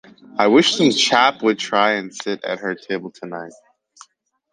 I wish some chap would try and sit at her table tonight.